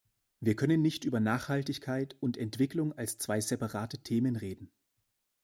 Wir können nicht über Nachhaltigkeit und Entwicklung als zwei separate Themen reden.